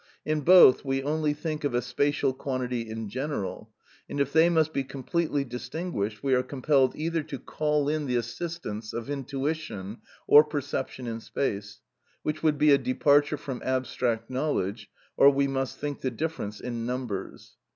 In both we only think of a spacial quantity in general, and if they must be completely distinguished we are compelled either to call in the assistance of intuition or perception in space, which would be a departure from abstract knowledge, or we must think the difference in numbers.